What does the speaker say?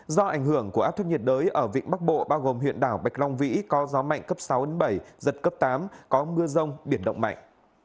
do ảnh hưởng của áp thấp nhiệt đới ở vịnh bắc bộ bao gồm huyện đảo bạch long vĩ có gió mạnh cấp sáu bảy giật cấp tám có mưa rông biển động mạnh